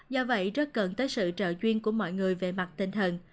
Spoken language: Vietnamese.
do vậy rất cần tới sự trợ chuyên của mọi người về mặt tinh thần